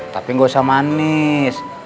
tapi gak usah manis